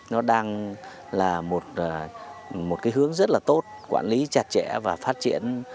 nó đang là một cái hướng rất là tốt quản lý chặt chẽ và phát triển